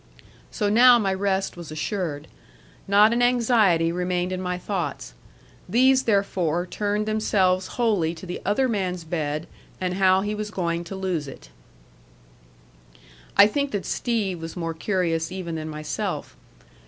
So now my rest was assured. Not an anxiety remained in my thoughts. These therefore turned themselves wholly to the other man's bed, and how he was going to lose it. I think that Steve was more curious even than myself.